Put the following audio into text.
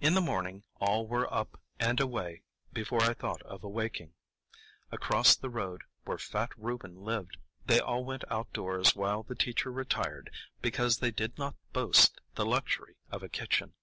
In the morning all were up and away before I thought of awaking. Across the road, where fat Reuben lived, they all went outdoors while the teacher retired, because they did not boast the luxury of a kitchen.